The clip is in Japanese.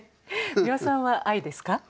美輪さんは愛ですか？